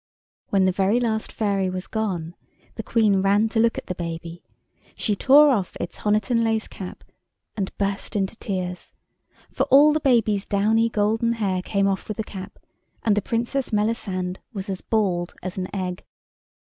When the very last fairy was gone the Queen ran to look at the baby—she tore off its Honiton lace cap and burst into tears. For all the baby's downy golden hair came off with the cap, and the Princess Melisande was as bald as an egg.